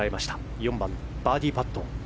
４番、バーディーパット。